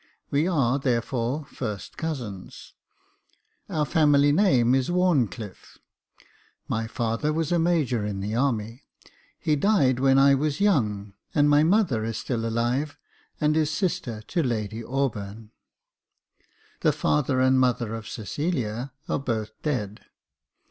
We are, therefore, first cousins. Our family name is Wharncliffe. My father was a major in the army. He died when I was young, and my mother is still alive, and is sister to Lady Auburn. The father and mother of Cecilia are both dead.